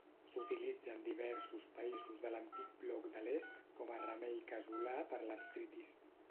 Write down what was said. S'utilitza en diversos països de l'antic bloc de l'Est com a remei casolà per l'artritis.